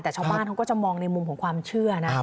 แต่ชาวบ้านเขาก็จะมองในมุมของความเชื่อนะ